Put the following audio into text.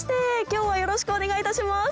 今日はよろしくお願いいたします！